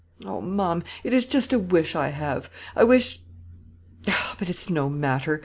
"Oh! Ma'am, it is just a wish I have. I wish ; but it's no matter.